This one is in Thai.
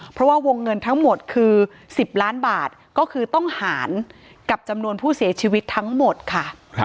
เพราะว่าวงเงินทั้งหมดคือ๑๐ล้านบาทก็คือต้องหารกับจำนวนผู้เสียชีวิตทั้งหมดค่ะ